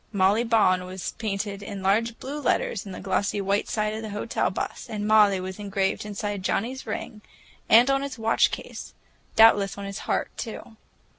"Molly Bawn" was painted in large blue letters on the glossy white side of the hotel bus, and "Molly" was engraved inside Johnnie's ring and on his watch case—doubtless on his heart, too.